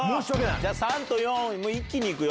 じゃあ、３と４一気にいくよ。